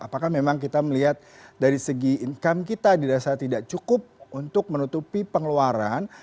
apakah memang kita melihat dari segi income kita dirasa tidak cukup untuk menutupi pengeluaran